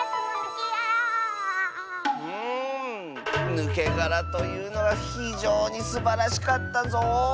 「ぬけがら」というのはひじょうにすばらしかったぞ。